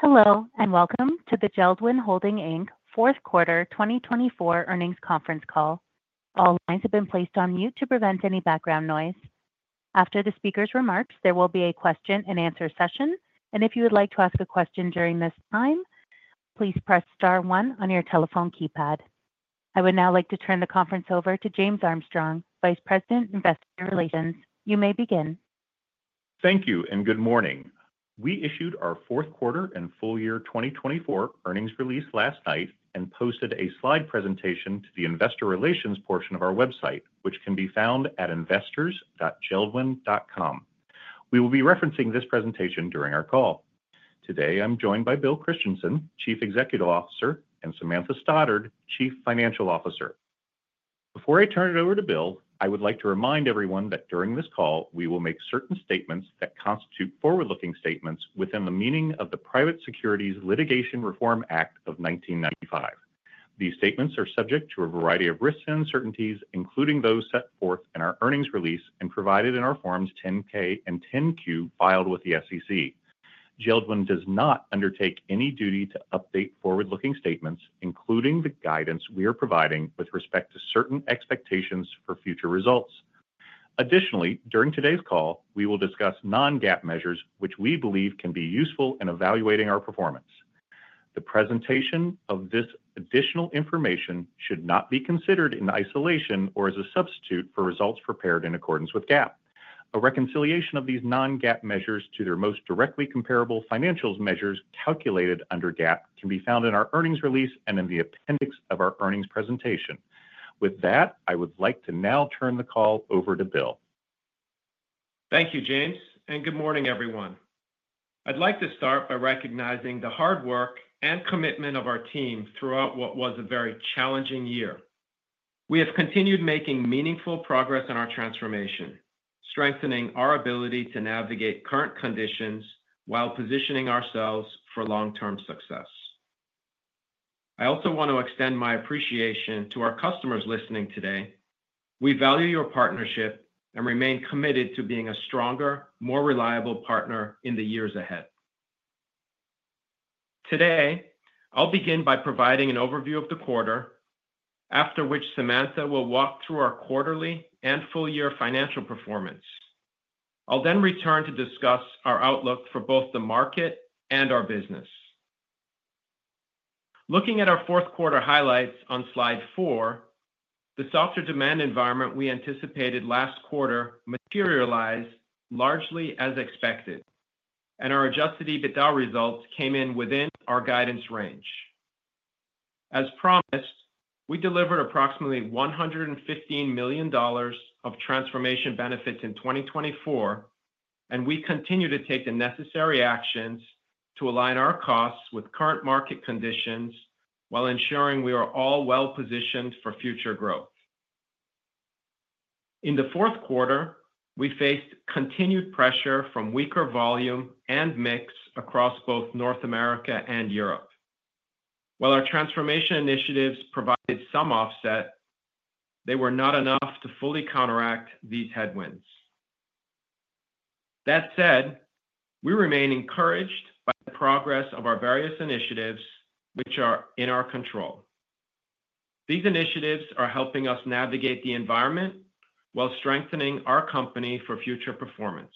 Hello, and welcome to the JELD-WEN Holding, Inc. fourth quarter 2024 earnings conference call. All lines have been placed on mute to prevent any background noise. After the speaker's remarks, there will be a question-and-answer session, and if you would like to ask a question during this time, please press star one on your telephone keypad. I would now like to turn the conference over to James Armstrong, Vice President, Investor Relations. You may begin. Thank you, and good morning. We issued our fourth quarter and full year 2024 earnings release last night and posted a slide presentation to the Investor Relations portion of our website, which can be found at investors.jeldwen.com. We will be referencing this presentation during our call. Today, I'm joined by Bill Christensen, Chief Executive Officer, and Samantha Stoddard, Chief Financial Officer. Before I turn it over to Bill, I would like to remind everyone that during this call, we will make certain statements that constitute forward-looking statements within the meaning of the Private Securities Litigation Reform Act of 1995. These statements are subject to a variety of risks and uncertainties, including those set forth in our earnings release and provided in our Forms 10-K and 10-Q filed with the SEC. JELD-WEN does not undertake any duty to update forward-looking statements, including the guidance we are providing with respect to certain expectations for future results. Additionally, during today's call, we will discuss non-GAAP measures, which we believe can be useful in evaluating our performance. The presentation of this additional information should not be considered in isolation or as a substitute for results prepared in accordance with GAAP. A reconciliation of these non-GAAP measures to their most directly comparable financial measures calculated under GAAP can be found in our earnings release and in the appendix of our earnings presentation. With that, I would like to now turn the call over to Bill. Thank you, James, and good morning, everyone. I'd like to start by recognizing the hard work and commitment of our team throughout what was a very challenging year. We have continued making meaningful progress in our transformation, strengthening our ability to navigate current conditions while positioning ourselves for long-term success. I also want to extend my appreciation to our customers listening today. We value your partnership and remain committed to being a stronger, more reliable partner in the years ahead. Today, I'll begin by providing an overview of the quarter, after which Samantha will walk through our quarterly and full year financial performance. I'll then return to discuss our outlook for both the market and our business. Looking at our fourth quarter highlights on slide four, the softer demand environment we anticipated last quarter materialized largely as expected, and our Adjusted EBITDA results came in within our guidance range. As promised, we delivered approximately $115 million of transformation benefits in 2024, and we continue to take the necessary actions to align our costs with current market conditions while ensuring we are all well-positioned for future growth. In the fourth quarter, we faced continued pressure from weaker volume and mix across both North America and Europe. While our transformation initiatives provided some offset, they were not enough to fully counteract these headwinds. That said, we remain encouraged by the progress of our various initiatives, which are in our control. These initiatives are helping us navigate the environment while strengthening our company for future performance.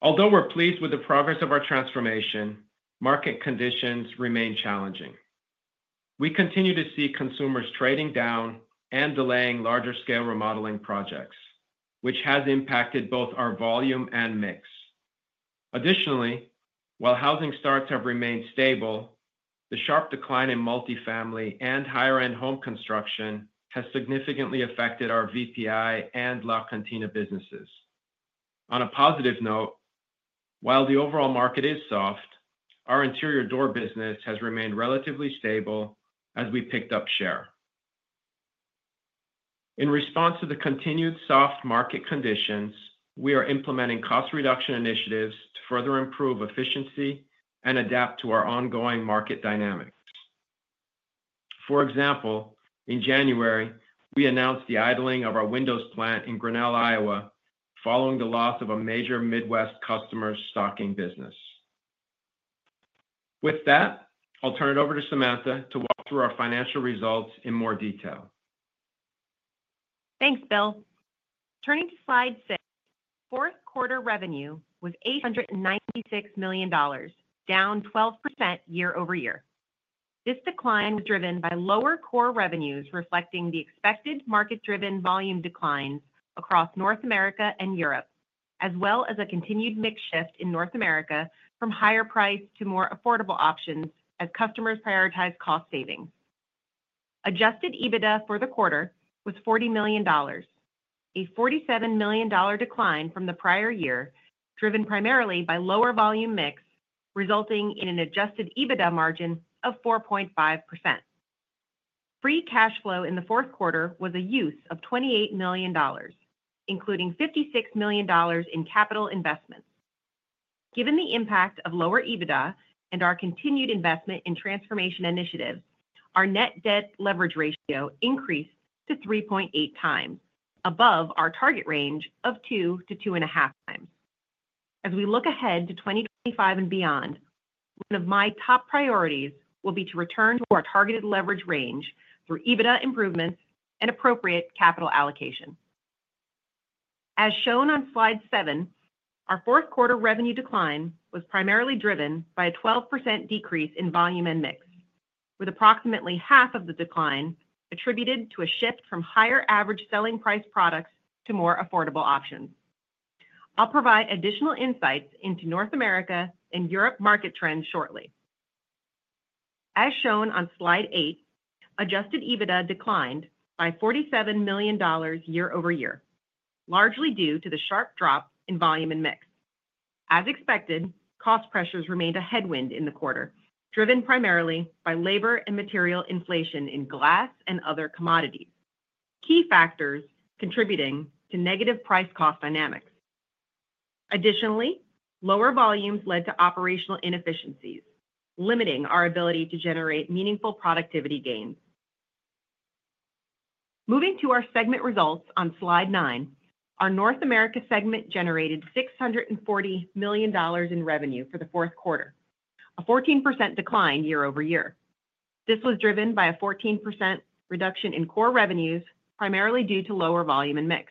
Although we're pleased with the progress of our transformation, market conditions remain challenging. We continue to see consumers trading down and delaying larger-scale remodeling projects, which has impacted both our volume and mix. Additionally, while housing starts have remained stable, the sharp decline in multifamily and higher-end home construction has significantly affected our VPI and LaCantina businesses. On a positive note, while the overall market is soft, our interior door business has remained relatively stable as we picked up share. In response to the continued soft market conditions, we are implementing cost reduction initiatives to further improve efficiency and adapt to our ongoing market dynamics. For example, in January, we announced the idling of our windows plant in Grinnell, Iowa, following the loss of a major Midwest customer stocking business. With that, I'll turn it over to Samantha to walk through our financial results in more detail. Thanks, Bill. Turning to slide six, fourth quarter revenue was $896 million, down 12% year-over-year. This decline was driven by lower core revenues reflecting the expected market-driven volume declines across North America and Europe, as well as a continued mix shift in North America from higher price to more affordable options as customers prioritize cost savings. Adjusted EBITDA for the quarter was $40 million, a $47 million decline from the prior year driven primarily by lower volume mix, resulting in an Adjusted EBITDA margin of 4.5%. Free cash flow in the fourth quarter was a use of $28 million, including $56 million in capital investments. Given the impact of lower EBITDA and our continued investment in transformation initiatives, our net debt leverage ratio increased to 3.8x, above our target range of 2x-2.5x. As we look ahead to 2025 and beyond, one of my top priorities will be to return to our targeted leverage range through EBITDA improvements and appropriate capital allocation. As shown on slide seven, our fourth quarter revenue decline was primarily driven by a 12% decrease in volume and mix, with approximately half of the decline attributed to a shift from higher average selling price products to more affordable options. I'll provide additional insights into North America and Europe market trends shortly. As shown on slide eight, Adjusted EBITDA declined by $47 million year-over-year, largely due to the sharp drop in volume and mix. As expected, cost pressures remained a headwind in the quarter, driven primarily by labor and material inflation in glass and other commodities, key factors contributing to negative price-cost dynamics. Additionally, lower volumes led to operational inefficiencies, limiting our ability to generate meaningful productivity gains. Moving to our segment results on slide nine, our North America segment generated $640 million in revenue for the fourth quarter, a 14% decline year-over-year. This was driven by a 14% reduction in core revenues, primarily due to lower volume and mix.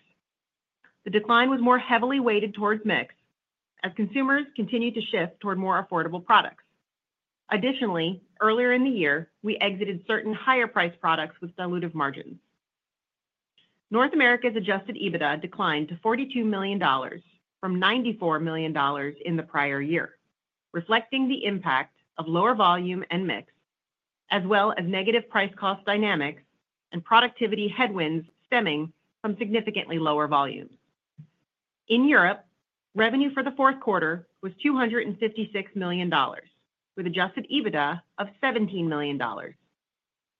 The decline was more heavily weighted towards mix as consumers continued to shift toward more affordable products. Additionally, earlier in the year, we exited certain higher price products with dilutive margins. North America's Adjusted EBITDA declined to $42 million from $94 million in the prior year, reflecting the impact of lower volume and mix, as well as negative price-cost dynamics and productivity headwinds stemming from significantly lower volumes. In Europe, revenue for the fourth quarter was $256 million, with Adjusted EBITDA of $17 million.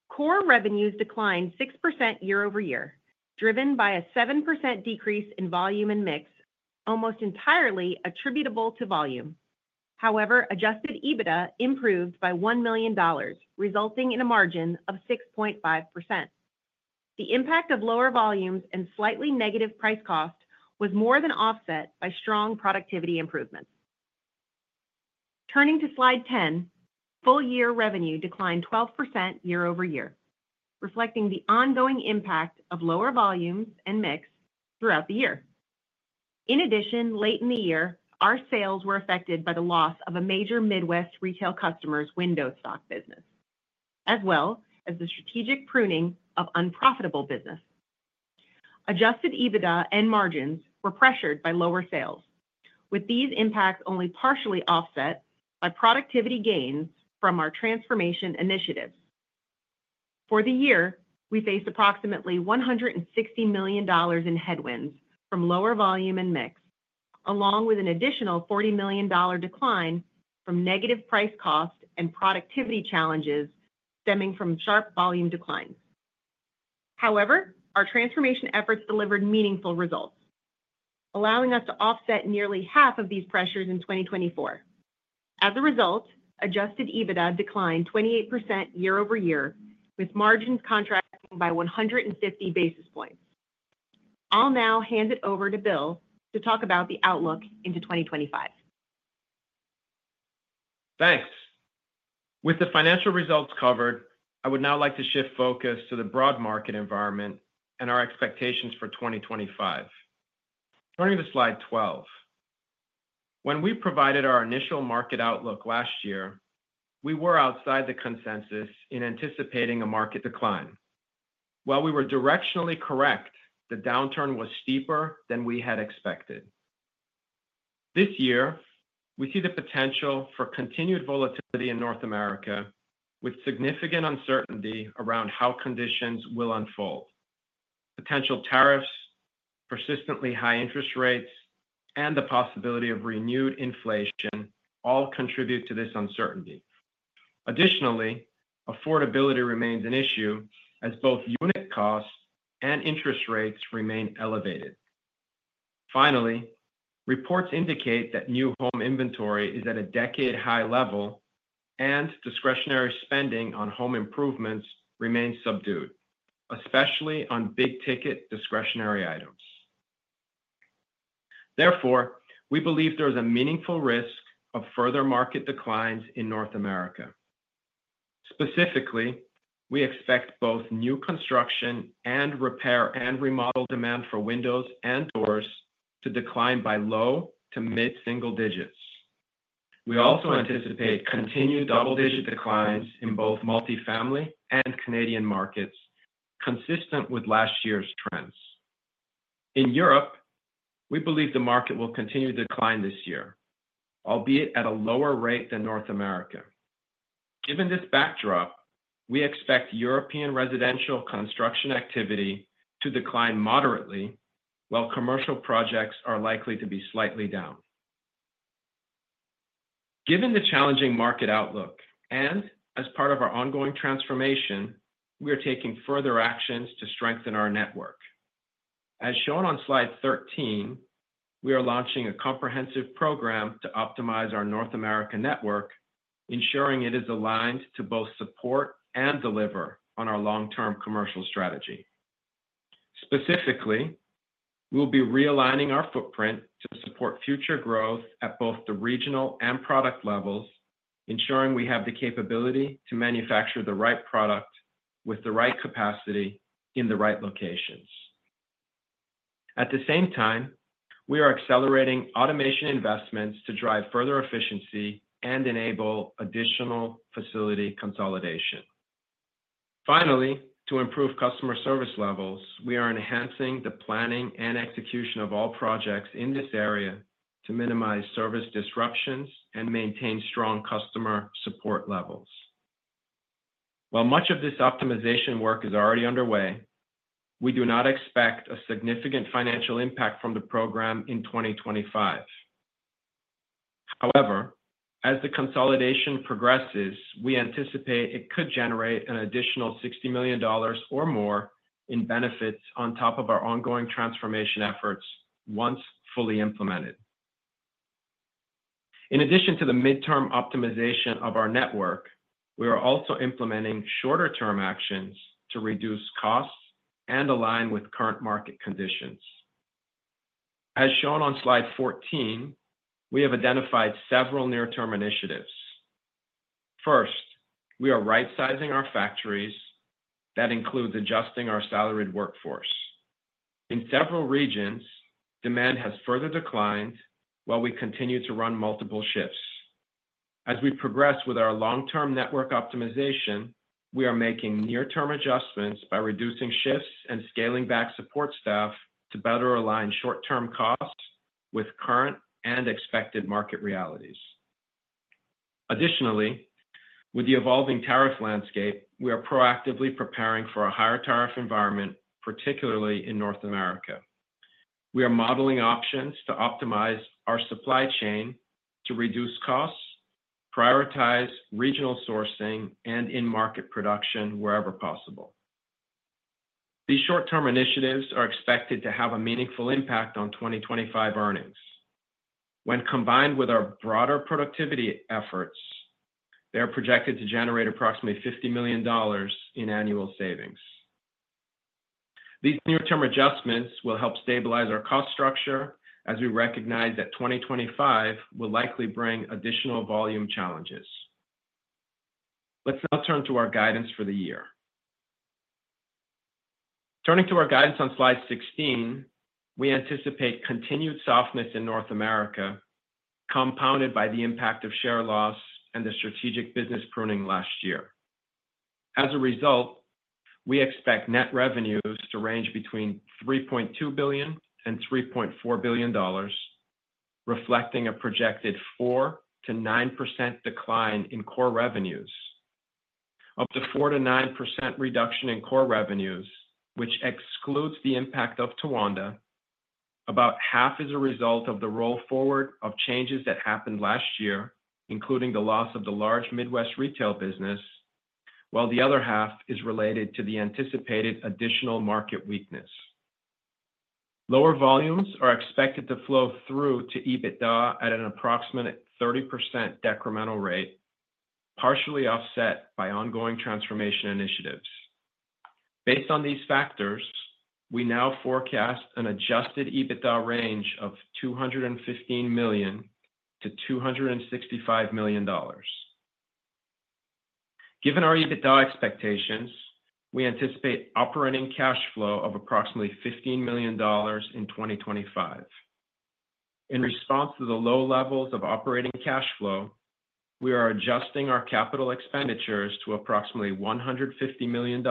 Core revenues declined 6% year-over-year, driven by a 7% decrease in volume and mix, almost entirely attributable to volume. However, Adjusted EBITDA improved by $1 million, resulting in a margin of 6.5%. The impact of lower volumes and slightly negative price-cost was more than offset by strong productivity improvements. Turning to slide 10, full-year revenue declined 12% year-over-year, reflecting the ongoing impact of lower volumes and mix throughout the year. In addition, late in the year, our sales were affected by the loss of a major Midwest retail customer's window stocking business, as well as the strategic pruning of unprofitable business. Adjusted EBITDA and margins were pressured by lower sales, with these impacts only partially offset by productivity gains from our transformation initiatives. For the year, we faced approximately $160 million in headwinds from lower volume and mix, along with an additional $40 million decline from negative price-cost and productivity challenges stemming from sharp volume declines. However, our transformation efforts delivered meaningful results, allowing us to offset nearly half of these pressures in 2024. As a result, Adjusted EBITDA declined 28% year-over-year, with margins contracting by 150 basis points. I'll now hand it over to Bill to talk about the outlook into 2025. Thanks. With the financial results covered, I would now like to shift focus to the broad market environment and our expectations for 2025. Turning to slide 12, when we provided our initial market outlook last year, we were outside the consensus in anticipating a market decline. While we were directionally correct, the downturn was steeper than we had expected. This year, we see the potential for continued volatility in North America, with significant uncertainty around how conditions will unfold. Potential tariffs, persistently high interest rates, and the possibility of renewed inflation all contribute to this uncertainty. Additionally, affordability remains an issue as both unit costs and interest rates remain elevated. Finally, reports indicate that new home inventory is at a decade-high level, and discretionary spending on home improvements remains subdued, especially on big-ticket discretionary items. Therefore, we believe there is a meaningful risk of further market declines in North America. Specifically, we expect both new construction and repair and remodel demand for windows and doors to decline by low to mid-single digits. We also anticipate continued double-digit declines in both multifamily and Canadian markets, consistent with last year's trends. In Europe, we believe the market will continue to decline this year, albeit at a lower rate than North America. Given this backdrop, we expect European residential construction activity to decline moderately, while commercial projects are likely to be slightly down. Given the challenging market outlook and as part of our ongoing transformation, we are taking further actions to strengthen our network. As shown on slide 13, we are launching a comprehensive program to optimize our North America network, ensuring it is aligned to both support and deliver on our long-term commercial strategy. Specifically, we will be realigning our footprint to support future growth at both the regional and product levels, ensuring we have the capability to manufacture the right product with the right capacity in the right locations. At the same time, we are accelerating automation investments to drive further efficiency and enable additional facility consolidation. Finally, to improve customer service levels, we are enhancing the planning and execution of all projects in this area to minimize service disruptions and maintain strong customer support levels. While much of this optimization work is already underway, we do not expect a significant financial impact from the program in 2025. However, as the consolidation progresses, we anticipate it could generate an additional $60 million or more in benefits on top of our ongoing transformation efforts once fully implemented. In addition to the midterm optimization of our network, we are also implementing shorter-term actions to reduce costs and align with current market conditions. As shown on slide fourteen, we have identified several near-term initiatives. First, we are right-sizing our factories. That includes adjusting our salaried workforce. In several regions, demand has further declined while we continue to run multiple shifts. As we progress with our long-term network optimization, we are making near-term adjustments by reducing shifts and scaling back support staff to better align short-term costs with current and expected market realities. Additionally, with the evolving tariff landscape, we are proactively preparing for a higher tariff environment, particularly in North America. We are modeling options to optimize our supply chain to reduce costs, prioritize regional sourcing, and in-market production wherever possible. These short-term initiatives are expected to have a meaningful impact on 2025 earnings. When combined with our broader productivity efforts, they are projected to generate approximately $50 million in annual savings. These near-term adjustments will help stabilize our cost structure as we recognize that 2025 will likely bring additional volume challenges. Let's now turn to our guidance for the year. Turning to our guidance on slide 16, we anticipate continued softness in North America, compounded by the impact of share loss and the strategic business pruning last year. As a result, we expect net revenues to range between $3.2 billion-$3.4 billion, reflecting a projected 4%-9% decline in core revenues. Up to 4%-9% reduction in core revenues, which excludes the impact of Towanda, about half is a result of the roll forward of changes that happened last year, including the loss of the large Midwest retail business, while the other half is related to the anticipated additional market weakness. Lower volumes are expected to flow through to EBITDA at an approximate 30% decremental rate, partially offset by ongoing transformation initiatives. Based on these factors, we now forecast an Adjusted EBITDA range of $215 million-$265 million. Given our EBITDA expectations, we anticipate operating cash flow of approximately $15 million in 2025. In response to the low levels of operating cash flow, we are adjusting our capital expenditures to approximately $150 million,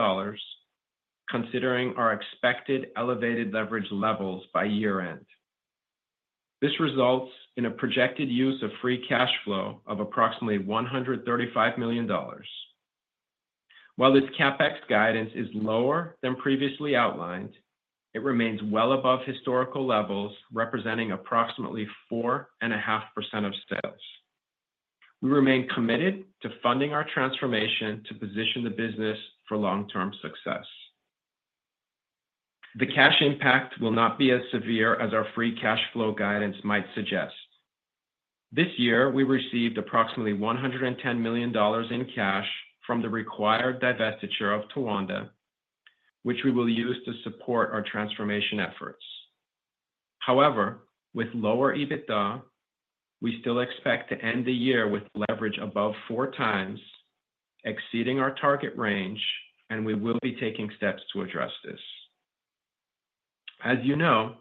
considering our expected elevated leverage levels by year-end. This results in a projected use of free cash flow of approximately $135 million. While this CapEx guidance is lower than previously outlined, it remains well above historical levels, representing approximately 4.5% of sales. We remain committed to funding our transformation to position the business for long-term success. The cash impact will not be as severe as our free cash flow guidance might suggest. This year, we received approximately $110 million in cash from the required divestiture of Towanda, which we will use to support our transformation efforts. However, with lower EBITDA, we still expect to end the year with leverage above 4x, exceeding our target range, and we will be taking steps to address this. As you know,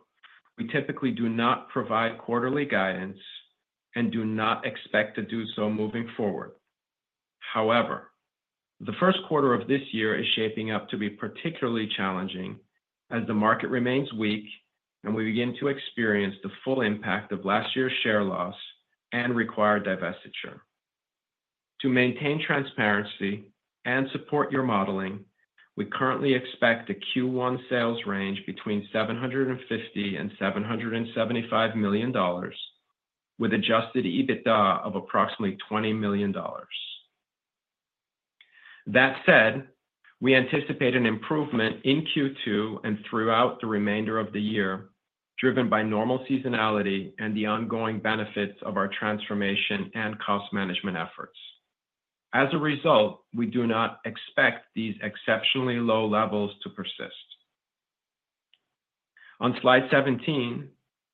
we typically do not provide quarterly guidance and do not expect to do so moving forward. However, the first quarter of this year is shaping up to be particularly challenging as the market remains weak and we begin to experience the full impact of last year's share loss and required divestiture. To maintain transparency and support your modeling, we currently expect a Q1 sales range between $750 million and $775 million, with Adjusted EBITDA of approximately $20 million. That said, we anticipate an improvement in Q2 and throughout the remainder of the year, driven by normal seasonality and the ongoing benefits of our transformation and cost management efforts. As a result, we do not expect these exceptionally low levels to persist. On slide seventeen,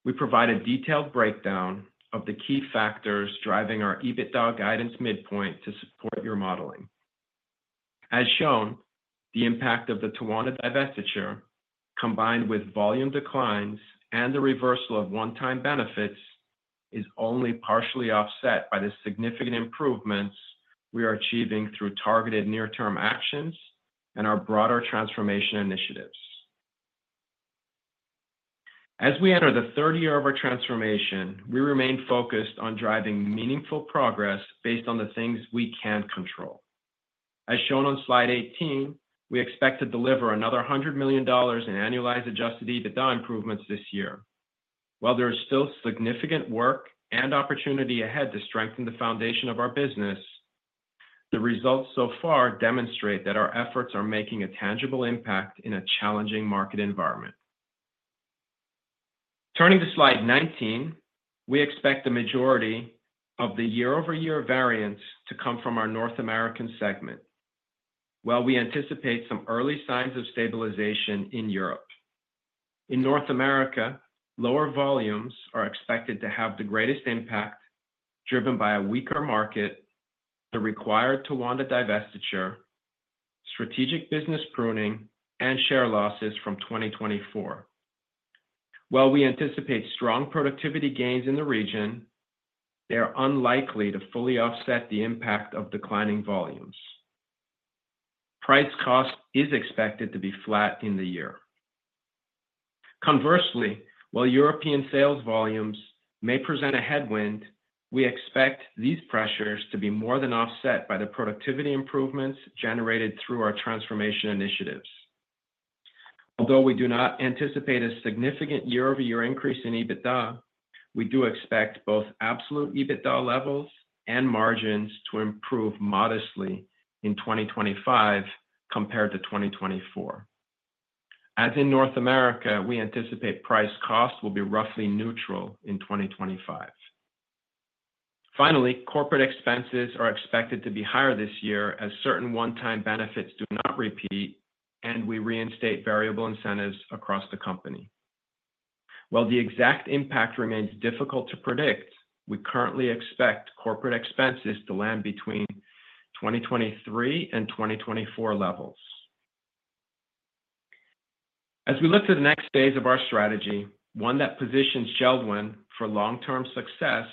we provide a detailed breakdown of the key factors driving our EBITDA guidance midpoint to support your modeling. As shown, the impact of the Towanda divestiture, combined with volume declines and the reversal of one-time benefits, is only partially offset by the significant improvements we are achieving through targeted near-term actions and our broader transformation initiatives. As we enter the third year of our transformation, we remain focused on driving meaningful progress based on the things we can control. As shown on slide 18, we expect to deliver another $100 million in annualized Adjusted EBITDA improvements this year. While there is still significant work and opportunity ahead to strengthen the foundation of our business, the results so far demonstrate that our efforts are making a tangible impact in a challenging market environment. Turning to slide 19, we expect the majority of the year-over-year variance to come from our North American segment, while we anticipate some early signs of stabilization in Europe. In North America, lower volumes are expected to have the greatest impact, driven by a weaker market, the required Towanda divestiture, strategic business pruning, and share losses from 2024. While we anticipate strong productivity gains in the region, they are unlikely to fully offset the impact of declining volumes. Price-cost is expected to be flat in the year. Conversely, while European sales volumes may present a headwind, we expect these pressures to be more than offset by the productivity improvements generated through our transformation initiatives. Although we do not anticipate a significant year-over-year increase in EBITDA, we do expect both absolute EBITDA levels and margins to improve modestly in 2025 compared to 2024. As in North America, we anticipate price-cost will be roughly neutral in 2025. Finally, corporate expenses are expected to be higher this year as certain one-time benefits do not repeat, and we reinstate variable incentives across the company. While the exact impact remains difficult to predict, we currently expect corporate expenses to land between 2023 and 2024 levels. As we look to the next phase of our strategy, one that positions JELD-WEN for long-term success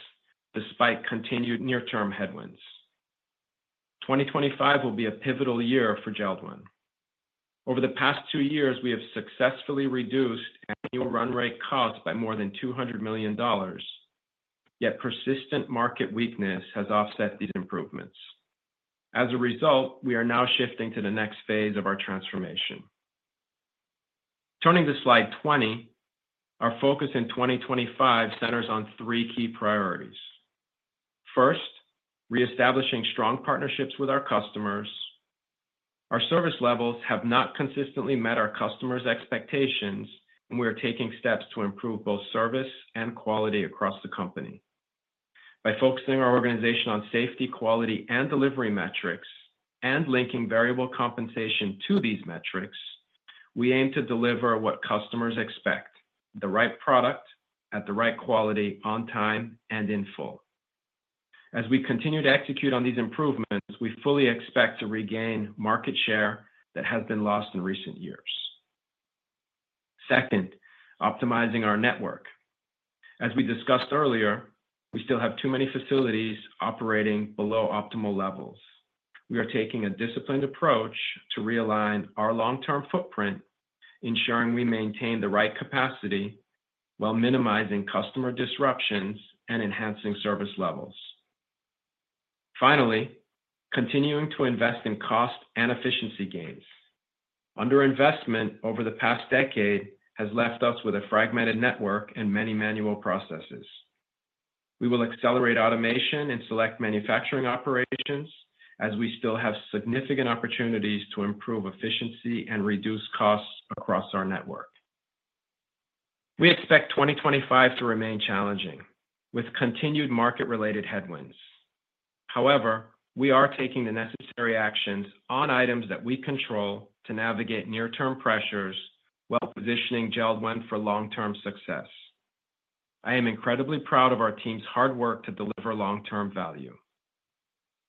despite continued near-term headwinds. 2025 will be a pivotal year for JELD-WEN. Over the past two years, we have successfully reduced annual run rate costs by more than $200 million, yet persistent market weakness has offset these improvements. As a result, we are now shifting to the next phase of our transformation. Turning to slide 20, our focus in 2025 centers on three key priorities. First, reestablishing strong partnerships with our customers. Our service levels have not consistently met our customers' expectations, and we are taking steps to improve both service and quality across the company. By focusing our organization on safety, quality, and delivery metrics, and linking variable compensation to these metrics, we aim to deliver what customers expect: the right product at the right quality, on time and in full. As we continue to execute on these improvements, we fully expect to regain market share that has been lost in recent years. Second, optimizing our network. As we discussed earlier, we still have too many facilities operating below optimal levels. We are taking a disciplined approach to realign our long-term footprint, ensuring we maintain the right capacity while minimizing customer disruptions and enhancing service levels. Finally, continuing to invest in cost and efficiency gains. Underinvestment over the past decade has left us with a fragmented network and many manual processes. We will accelerate automation in select manufacturing operations as we still have significant opportunities to improve efficiency and reduce costs across our network. We expect 2025 to remain challenging, with continued market-related headwinds. However, we are taking the necessary actions on items that we control to navigate near-term pressures while positioning JELD-WEN for long-term success. I am incredibly proud of our team's hard work to deliver long-term value.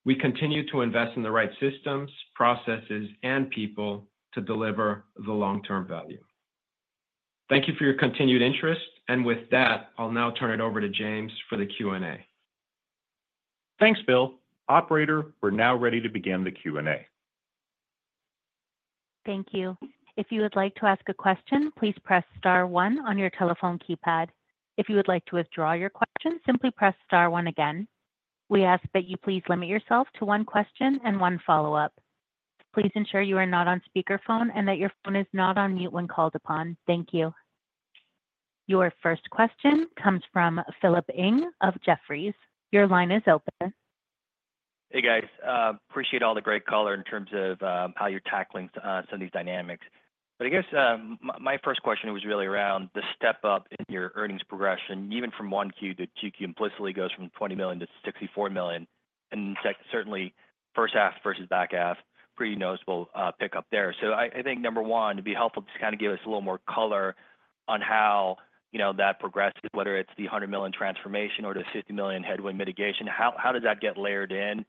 We continue to invest in the right systems, processes, and people to deliver the long-term value. Thank you for your continued interest, and with that, I'll now turn it over to James for the Q&A. Thanks, Bill. Operator, we're now ready to begin the Q&A. Thank you. If you would like to ask a question, please press star one on your telephone keypad. If you would like to withdraw your question, simply press star one again. We ask that you please limit yourself to one question and one follow-up. Please ensure you are not on speakerphone and that your phone is not on mute when called upon. Thank you. Your first question comes from Philip Ng of Jefferies. Your line is open. Hey, guys. Appreciate all the great color in terms of how you're tackling some of these dynamics. But I guess my first question was really around the step-up in your earnings progression, even from 1Q to 2Q, implicitly goes from $20 million-$64 million. And certainly, first half versus back half, pretty noticeable pickup there. So I think, number one, it'd be helpful to kind of give us a little more color on how that progresses, whether it's the $100 million transformation or the $50 million headwind mitigation. How does that get layered in?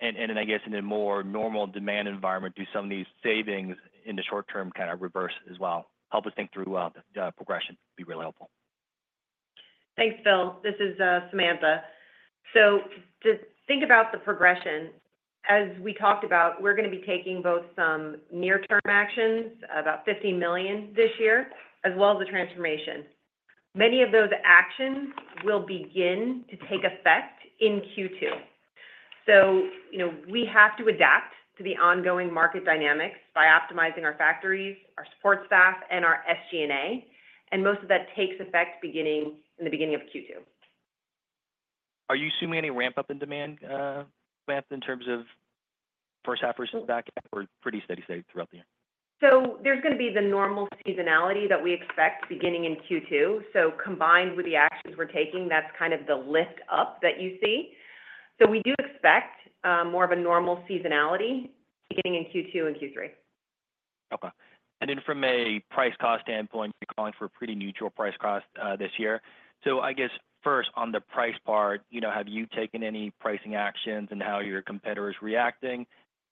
And I guess in a more normal demand environment, do some of these savings in the short term kind of reverse as well? Help us think through progression would be really helpful. Thanks, Bill. This is Samantha. So to think about the progression, as we talked about, we're going to be taking both some near-term actions, about $50 million this year, as well as the transformation. Many of those actions will begin to take effect in Q2. So we have to adapt to the ongoing market dynamics by optimizing our factories, our support staff, and our SG&A. And most of that takes effect in the beginning of Q2. Are you assuming any ramp-up in demand in terms of first half versus back half? We're pretty steady-state throughout the year. So there's going to be the normal seasonality that we expect beginning in Q2. So combined with the actions we're taking, that's kind of the lift-up that you see. So we do expect more of a normal seasonality beginning in Q2 and Q3. Okay. And then from a price-cost standpoint, you're calling for a pretty neutral price-cost this year. So I guess first, on the price part, have you taken any pricing actions and how your competitors are reacting?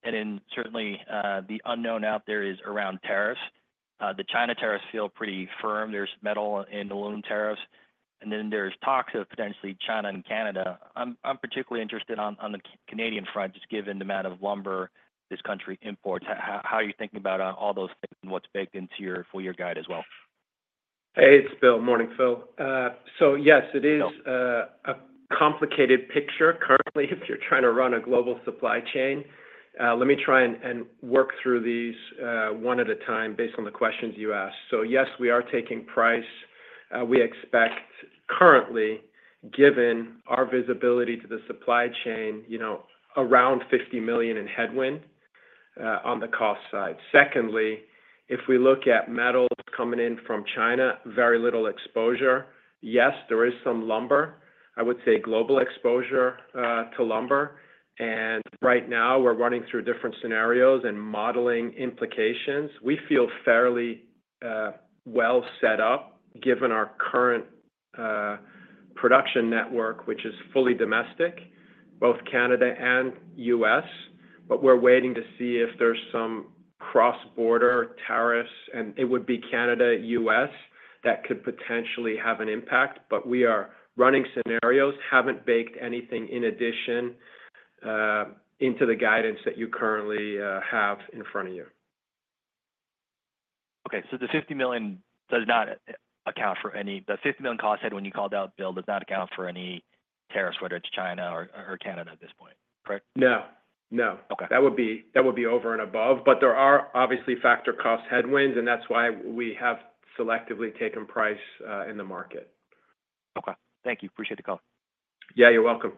And then certainly, the unknown out there is around tariffs. The China tariffs feel pretty firm. There's metal and aluminum tariffs. And then there's talks of potentially China and Canada. I'm particularly interested on the Canadian front, just given the amount of lumber this country imports. How are you thinking about all those things and what's baked into your full-year guide as well? Hey, it's Bill. Morning, Phil. So yes, it is a complicated picture currently if you're trying to run a global supply chain. Let me try and work through these one at a time based on the questions you asked. So yes, we are taking price. We expect currently, given our visibility to the supply chain, around $50 million in headwind on the cost side. Secondly, if we look at metals coming in from China, very little exposure. Yes, there is some lumber. I would say global exposure to lumber. And right now, we're running through different scenarios and modeling implications. We feel fairly well set up given our current production network, which is fully domestic, both Canada and U.S. But we're waiting to see if there's some cross-border tariffs, and it would be Canada-U.S. that could potentially have an impact. But we are running scenarios, haven't baked anything in addition into the guidance that you currently have in front of you. Okay. So the $50 million does not account for the $50 million cost headwind you called out, Bill, does not account for any tariffs, whether it's China or Canada at this point, correct? No. No. That would be over and above. But there are obviously factor cost headwinds, and that's why we have selectively taken price in the market. Okay. Thank you. Appreciate the call. Yeah, you're welcome.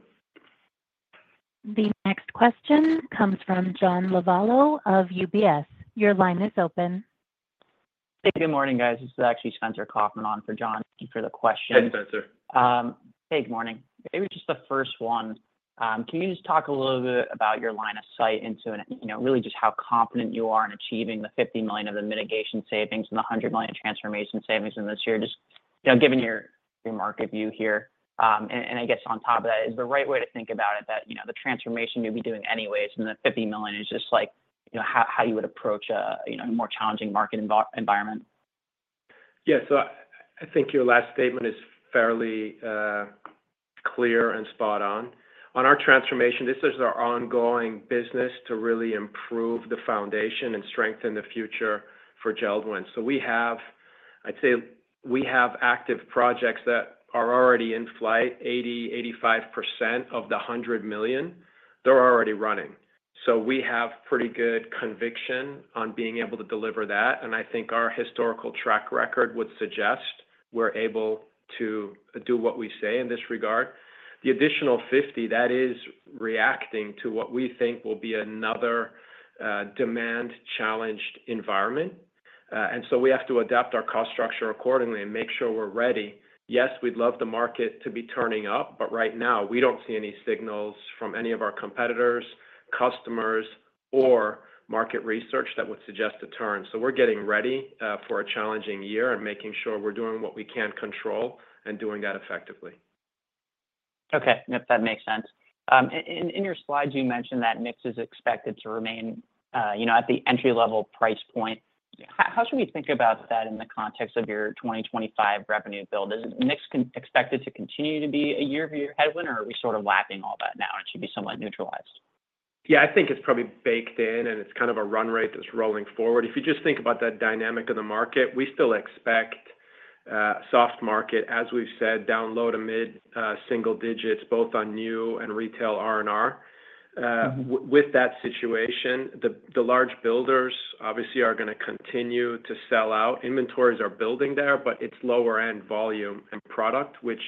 The next question comes from John Lovallo of UBS. Your line is open. Hey, good morning, guys. This is actually Spencer Kaufman on for John for the question. Hey, Spencer. Hey, good morning. Maybe just the first one. Can you just talk a little bit about your line of sight into really just how confident you are in achieving the $50 million of the mitigation savings and the $100 million transformation savings in this year, just given your market view here? And I guess on top of that, is the right way to think about it that the transformation you'll be doing anyways and the $50 million is just how you would approach a more challenging market environment? Yeah. So I think your last statement is fairly clear and spot on. On our transformation, this is our ongoing business to really improve the foundation and strengthen the future for JELD-WEN. So I'd say we have active projects that are already in flight. 80%-85% of the $100 million, they're already running. So we have pretty good conviction on being able to deliver that. I think our historical track record would suggest we're able to do what we say in this regard. The additional $50, that is reacting to what we think will be another demand-challenged environment. So we have to adapt our cost structure accordingly and make sure we're ready. Yes, we'd love the market to be turning up, but right now, we don't see any signals from any of our competitors, customers, or market research that would suggest a turn. So we're getting ready for a challenging year and making sure we're doing what we can control and doing that effectively. Okay. Yep, that makes sense. In your slides, you mentioned that mix is expected to remain at the entry-level price point. How should we think about that in the context of your 2025 revenue build? Is mix expected to continue to be a year-over-year headwind, or are we sort of lapping all that now and should be somewhat neutralized? Yeah, I think it's probably baked in, and it's kind of a run rate that's rolling forward. If you just think about that dynamic of the market, we still expect a soft market, as we've said, down low- to mid-single digits, both on new and retail R&R. With that situation, the large builders obviously are going to continue to sell out. Inventories are building there, but it's lower-end volume and product, which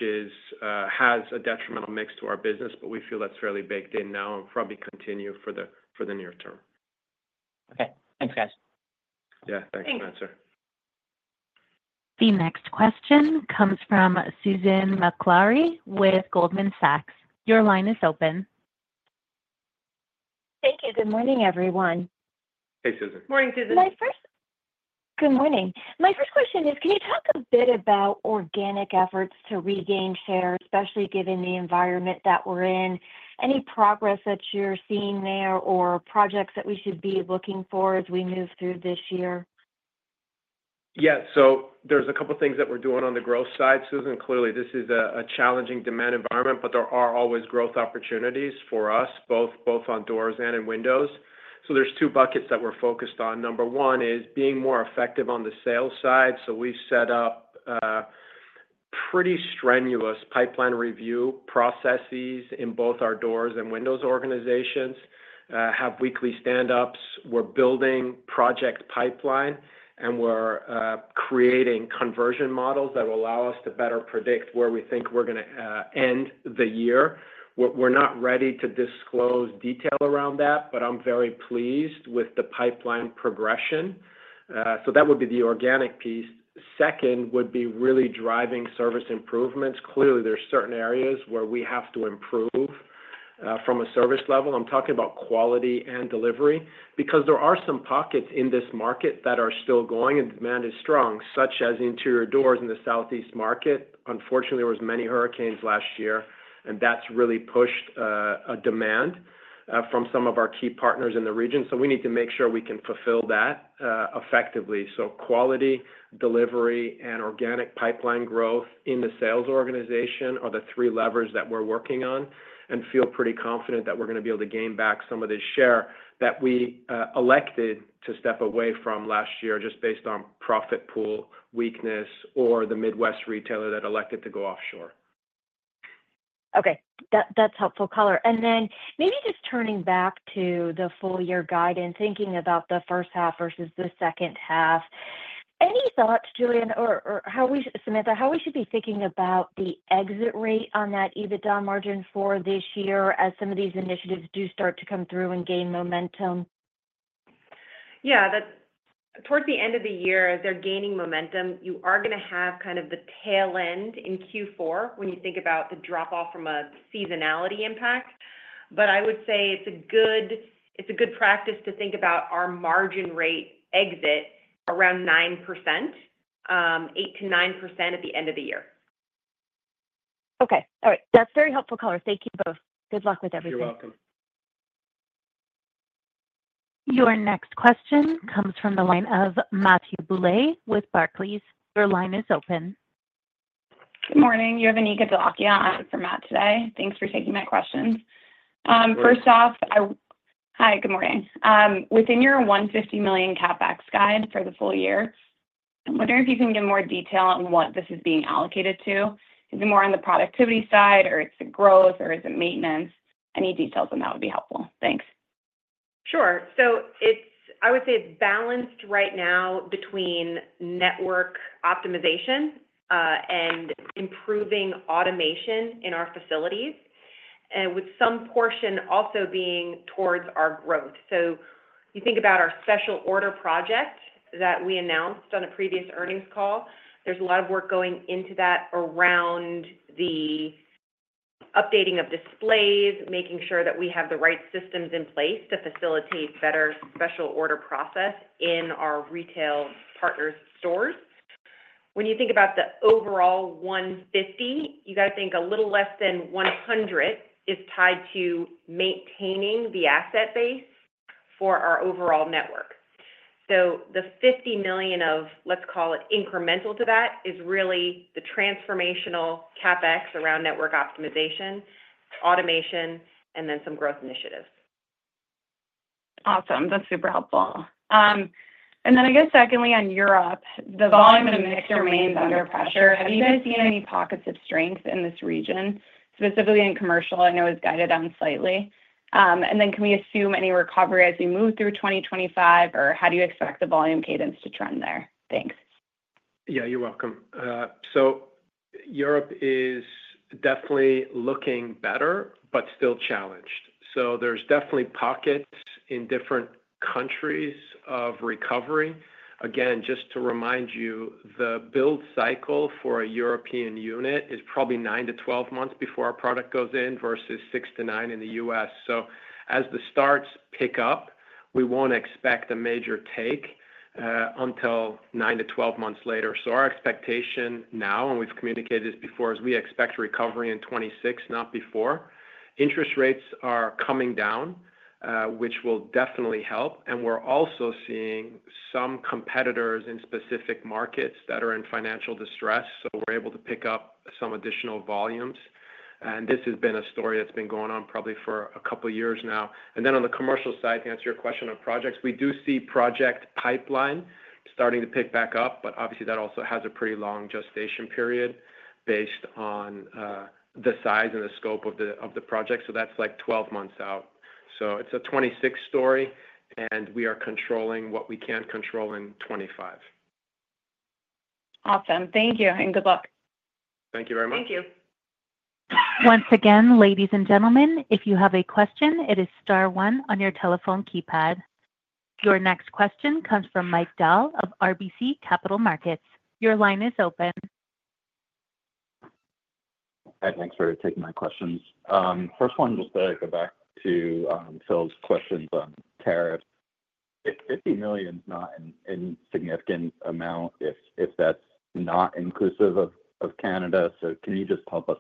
has a detrimental mix to our business, but we feel that's fairly baked in now and probably continue for the near term. Okay. Thanks, guys. Yeah. Thanks, Spencer. The next question comes from Susan Maklari with Goldman Sachs. Your line is open. Thank you. Good morning, everyone. Hey, Susan. Morning, Susan. Good morning. My first question is, can you talk a bit about organic efforts to regain share, especially given the environment that we're in? Any progress that you're seeing there or projects that we should be looking for as we move through this year? Yeah. So there's a couple of things that we're doing on the growth side, Susan. Clearly, this is a challenging demand environment, but there are always growth opportunities for us, both on doors and in windows. So there's two buckets that we're focused on. Number one is being more effective on the sales side. So we've set up pretty strenuous pipeline review processes in both our doors and windows organizations, have weekly stand-ups. We're building project pipeline, and we're creating conversion models that will allow us to better predict where we think we're going to end the year. We're not ready to disclose detail around that, but I'm very pleased with the pipeline progression. So that would be the organic piece. Second would be really driving service improvements. Clearly, there are certain areas where we have to improve from a service level. I'm talking about quality and delivery because there are some pockets in this market that are still going and demand is strong, such as interior doors in the Southeast market. Unfortunately, there were many hurricanes last year, and that's really pushed demand from some of our key partners in the region. So we need to make sure we can fulfill that effectively. So quality, delivery, and organic pipeline growth in the sales organization are the three levers that we're working on and feel pretty confident that we're going to be able to gain back some of the share that we elected to step away from last year just based on profit pool weakness or the Midwest retailer that elected to go offshore. Okay. That's helpful color. And then maybe just turning back to the full-year guide and thinking about the first half versus the second half. Any thoughts, Bill or Samantha, how we should be thinking about the exit rate on that EBITDA margin for this year as some of these initiatives do start to come through and gain momentum? Yeah. Towards the end of the year, as they're gaining momentum, you are going to have kind of the tail end in Q4 when you think about the drop-off from a seasonality impact. But I would say it's a good practice to think about our margin rate exit around 9%, 8%-9% at the end of the year. Okay. All right. That's very helpful color. Thank you both. Good luck with everything. You're welcome. Your next question comes from the line of Matthew Boulay with Barclays. Your line is open. Good morning. You have Anika Dholakia. I'm from Matt today. Thanks for taking my questions. First off, hi, good morning. Within your $150 million CapEx guide for the full year, I'm wondering if you can give more detail on what this is being allocated to. Is it more on the productivity side, or is it growth, or is it maintenance? Any details on that would be helpful. Thanks. Sure. So I would say it's balanced right now between network optimization and improving automation in our facilities, with some portion also being towards our growth. So you think about our special order project that we announced on a previous earnings call. There's a lot of work going into that around the updating of displays, making sure that we have the right systems in place to facilitate better special order process in our retail partners' stores. When you think about the overall $150, you got to think a little less than $100 is tied to maintaining the asset base for our overall network. So the $50 million of, let's call it incremental to that, is really the transformational CapEx around network optimization, automation, and then some growth initiatives. Awesome. That's super helpful. Then I guess secondly, on Europe, the volume and mix remains under pressure. Have you guys seen any pockets of strength in this region, specifically in commercial? I know it's guided down slightly. And then can we assume any recovery as we move through 2025, or how do you expect the volume cadence to trend there? Thanks. Yeah, you're welcome. So Europe is definitely looking better, but still challenged. So there's definitely pockets in different countries of recovery. Again, just to remind you, the build cycle for a European unit is probably nine to 12 months before our product goes in versus six to nine in the U.S. So as the starts pick up, we won't expect a major take until nine to 12 months later. So our expectation now, and we've communicated this before, is we expect recovery in 2026, not before. Interest rates are coming down, which will definitely help. And we're also seeing some competitors in specific markets that are in financial distress, so we're able to pick up some additional volumes. And this has been a story that's been going on probably for a couple of years now. And then on the commercial side, to answer your question on projects, we do see project pipeline starting to pick back up, but obviously, that also has a pretty long gestation period based on the size and the scope of the project. So that's like 12 months out. So it's a 2026 story, and we are controlling what we can control in 2025. Awesome. Thank you. And good luck. Thank you very much. Thank you. Once again, ladies and gentlemen, if you have a question, it is star one on your telephone keypad. Your next question comes from Mike Dahl of RBC Capital Markets. Your line is open. Hey, thanks for taking my questions. First one, just to go back to Phil's questions on tariffs. If $50 million is not an insignificant amount, if that's not inclusive of Canada, so can you just help us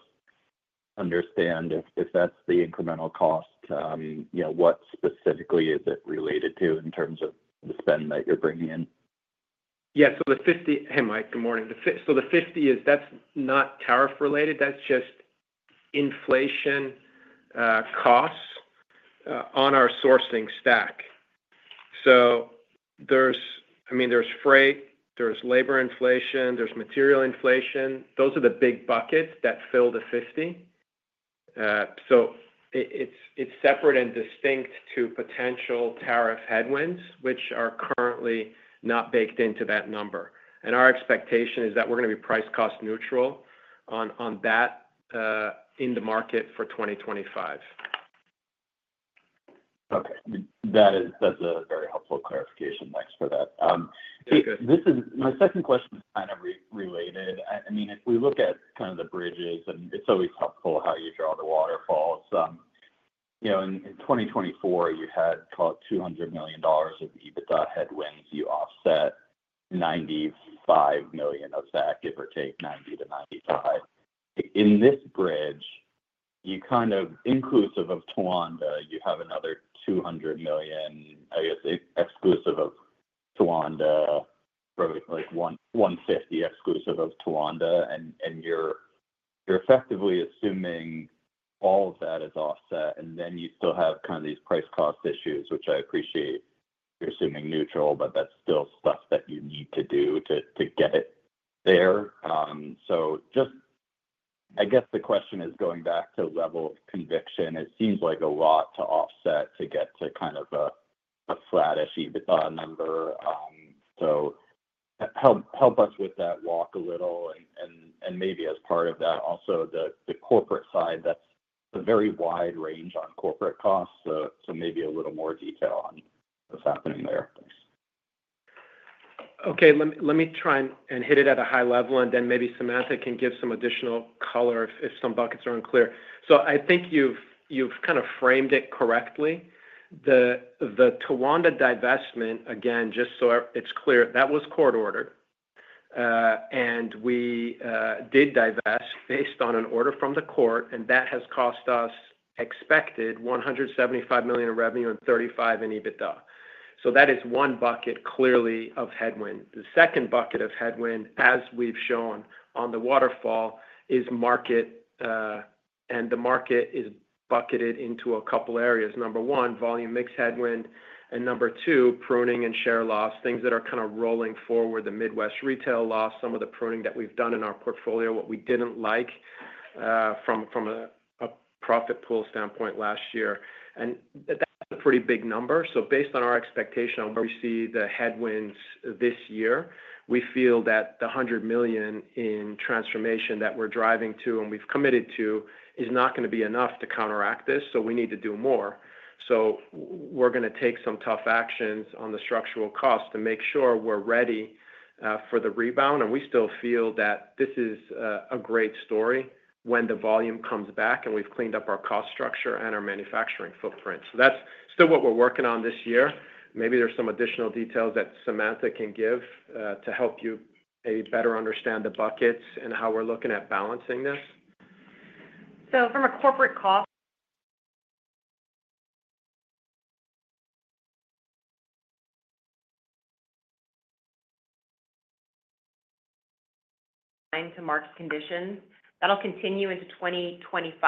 understand if that's the incremental cost, what specifically is it related to in terms of the spend that you're bringing in? Yeah. So the $50 million, hey, Mike, good morning. So the $50 million, that's not tariff-related. That's just inflation costs on our sourcing stack. So I mean, there's freight, there's labor inflation, there's material inflation. Those are the big buckets that fill the $50 million. So it's separate and distinct to potential tariff headwinds, which are currently not baked into that number. And our expectation is that we're going to be price-cost neutral on that in the market for 2025. Okay. That's a very helpful clarification. Thanks for that. My second question is kind of related. I mean, if we look at kind of the bridges, and it's always helpful how you draw the waterfalls. In 2024, you had, call it, $200 million of EBITDA headwinds. You offset $95 million of that, give or take $90 million-$95 million. In this bridge, you kind of inclusive of Towanda, you have another $200 million, I guess, exclusive of Towanda, like $150 million exclusive of Towanda. And you're effectively assuming all of that is offset, and then you still have kind of these price-cost issues, which I appreciate you're assuming neutral, but that's still stuff that you need to do to get it there. So just I guess the question is going back to level of conviction. It seems like a lot to offset to get to kind of a flattish EBITDA number. So, help us with that walk a little. And maybe as part of that, also the corporate side, that's a very wide range on corporate costs. So maybe a little more detail on what's happening there. Okay. Let me try and hit it at a high level, and then maybe Samantha can give some additional color if some buckets are unclear. So I think you've kind of framed it correctly. The Towanda divestment, again, just so it's clear, that was court-ordered, and we did divest based on an order from the court, and that has cost us expected $175 million of revenue and $35 million in EBITDA. So that is one bucket clearly of headwind. The second bucket of headwind, as we've shown on the waterfall, is market, and the market is bucketed into a couple of areas. Number one, volume mix headwind, and number two, pruning and share loss, things that are kind of rolling forward, the Midwest retail loss, some of the pruning that we've done in our portfolio, what we didn't like from a profit pool standpoint last year, and that's a pretty big number, so based on our expectation on where we see the headwinds this year, we feel that the $100 million in transformation that we're driving to and we've committed to is not going to be enough to counteract this, so we need to do more, so we're going to take some tough actions on the structural cost to make sure we're ready for the rebound, and we still feel that this is a great story when the volume comes back, and we've cleaned up our cost structure and our manufacturing footprint, so that's still what we're working on this year. Maybe there's some additional details that Samantha can give to help you maybe better understand the buckets and how we're looking at balancing this. So from a corporate cost to market conditions, that'll continue into 2025.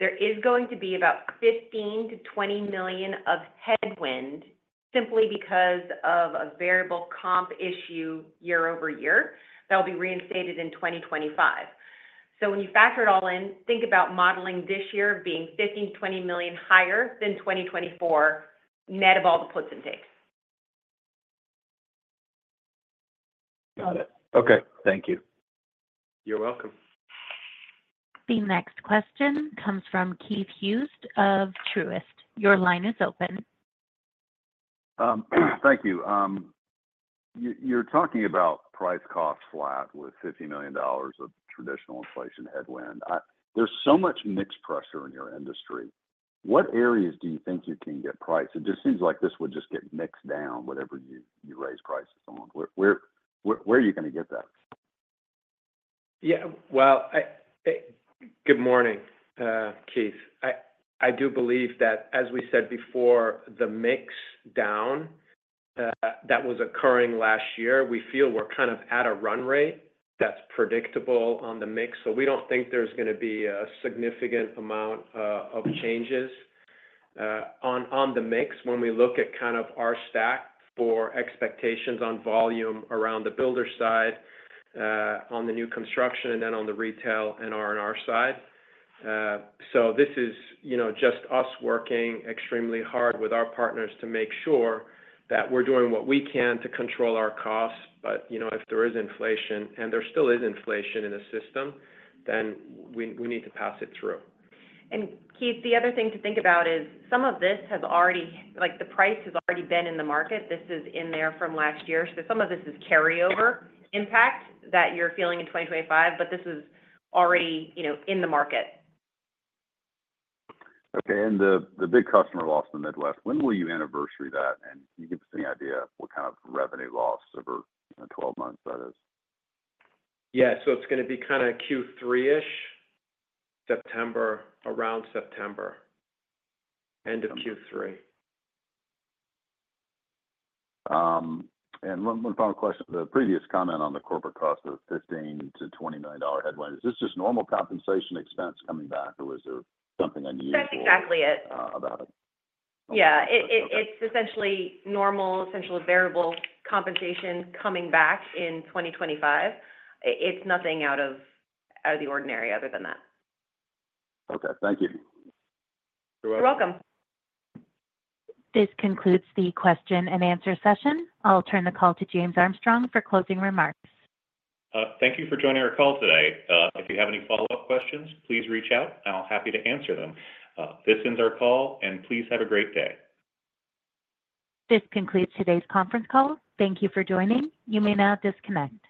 There is going to be about $15 million-$20 million of headwind simply because of a variable comp issue year-over-year that will be reinstated in 2025. So when you factor it all in, think about modeling this year being $15 million-$20 million higher than 2024 net of all the puts and takes. Got it. Okay. Thank you. You're welcome. The next question comes from Keith Hughes of Truist. Your line is open. Thank you. You're talking about price-cost flat with $50 million of traditional inflation headwind. There's so much mixed pressure in your industry. What areas do you think you can get price? It just seems like this would just get mixed down, whatever you raise prices on. Where are you going to get that? Yeah. Well, good morning, Keith. I do believe that, as we said before, the mix down that was occurring last year, we feel we're kind of at a run rate that's predictable on the mix. So we don't think there's going to be a significant amount of changes on the mix when we look at kind of our stack for expectations on volume around the builder side, on the new construction, and then on the retail and R&R side. So this is just us working extremely hard with our partners to make sure that we're doing what we can to control our costs. But if there is inflation, and there still is inflation in the system, then we need to pass it through. Keith, the other thing to think about is some of this has already the price has already been in the market. This is in there from last year. Some of this is carryover impact that you're feeling in 2025, but this is already in the market. Okay. The big customer loss in the Midwest, when will you anniversary that? Can you give us an idea of what kind of revenue loss over 12 months that is? Yeah. It's going to be kind of Q3-ish, around September, end of Q3. One final question. The previous comment on the corporate cost of $15 million-$20 million headwind, is this just normal compensation expense coming back, or is there something unusual about it? That's exactly it. Yeah. It's essentially normal, essentially variable compensation coming back in 2025. It's nothing out of the ordinary other than that. Okay. Thank you. You're welcome. This concludes the question and answer session. I'll turn the call to James Armstrong for closing remarks. Thank you for joining our call today. If you have any follow-up questions, please reach out. I'll be happy to answer them. This ends our call, and please have a great day. This concludes today's conference call. Thank you for joining. You may now disconnect.